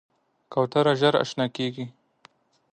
کوتره ژر اشنا کېږي.